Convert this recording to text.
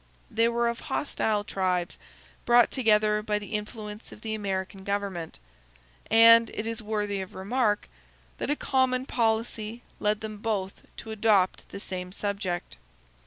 They were of hostile tribes, brought together by the influence of the American government; and it is worthy of remark, that a common policy led them both to adopt the same subject.